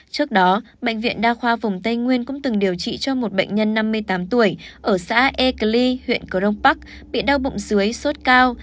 trước đó bệnh viện đa khoa vùng tây nguyên cũng từng điều trị cho một bệnh nhân năm mươi tám tuổi ở xã e cli huyện cờ rông bắc bị đau bụng dưới sốt cao